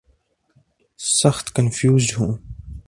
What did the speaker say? سخت کنفیوزڈ ہیں۔